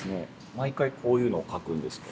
毎回、こういうのを書くんですか。